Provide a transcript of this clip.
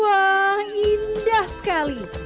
wah indah sekali